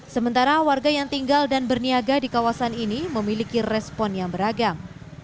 sementara warga yang tinggal dan berniaga di kawasan ini memiliki respon yang beragam